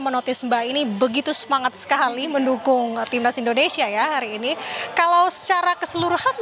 menotis mbak ini begitu semangat sekali mendukung timnas indonesia ya hari ini kalau secara keseluruhan